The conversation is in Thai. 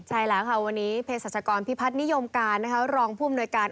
ใช่แหละวันนี้เภสรัชกรพิพัตรนิยมการรองค์ภูมิหน่วยการ